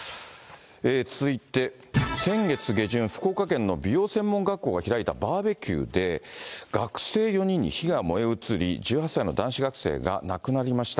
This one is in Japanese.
続いて、先月下旬、福岡県の美容専門学校が開いたバーベキューで、学生４人に火が燃え移り、１８歳の男子学生が亡くなりました。